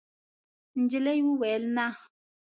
نجلۍ وویل: «نه.»